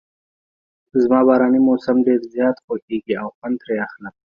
زما باراني موسم ډېر زیات خوښیږي او خوند ترې اخلم.